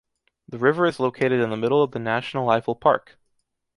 The river is located in the middle of the National Eifel Park.